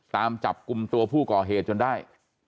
ตามจับกลุ่มตัวผู้ก่อเหตุจนได้